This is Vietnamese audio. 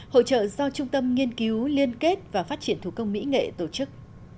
hội trợ do trung tâm nghiên cứu liên kết và phát triển thủ công mỹ nghệ tổ chức